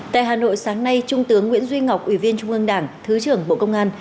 tại hà nội sáng nay trung tướng nguyễn duy ngọc ủy viên trung ương đảng thứ trưởng bộ công an